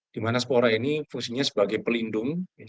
di mana spora ini fungsinya sebagai pelindung